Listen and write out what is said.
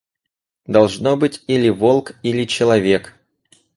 Должно быть, или волк, или человек».